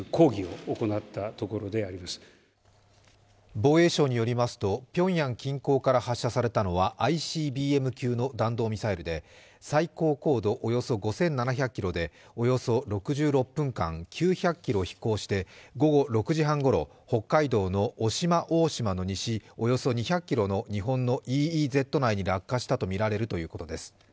防衛省によりますと、ピョンヤン近郊から発射されたのはＩＣＢＭ級の弾道ミサイルで最高高度およそ５７００ｋｍで、およそ６６分間、９００ｋｍ飛行して午後６時半ごろ、北海道の渡島大島の西、およそ２００ｋｍの日本のＥＥＺ内に落下したとみられるということです。